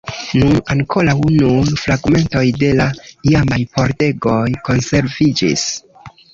Nun ankoraŭ nur fragmentoj de la iamaj pordegoj konserviĝis.